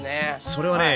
それはね